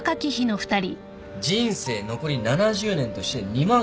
人生残り７０年として２万 ５，５５０ 日